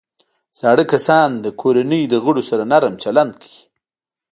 زاړه کسان د کورنۍ د غړو سره نرم چلند کوي